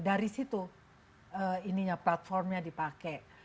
dari situ platformnya dipakai